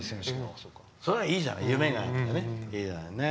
それの方がいいじゃない、夢があって。